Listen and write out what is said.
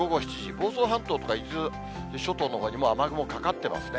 房総半島とか、伊豆諸島とかにも雨雲かかってますね。